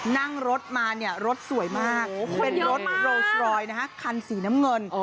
นั่งรถมาเนี่ยรถสวยมากเป็นรถโรสรอยนะฮะคันสีน้ำเงิน